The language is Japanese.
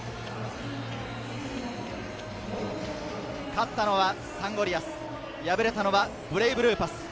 勝ったのはサンゴリアス、敗れたのはブレイブルーパス。